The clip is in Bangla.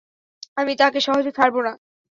আমি তাকে সহজে ছাড়ব না।